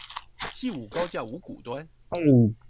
汐五高架五股端